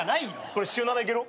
これ週７いける？